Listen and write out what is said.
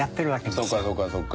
そうかそうかそうか。